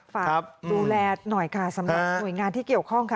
ฝากดูแลหน่อยค่ะสำหรับหน่วยงานที่เกี่ยวข้องค่ะ